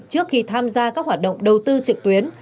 trước khi tham gia các hoạt động đầu tư trực tuyến